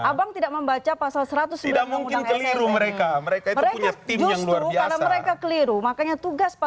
abang tidak membaca pasal satu ratus sembilan undang undang asn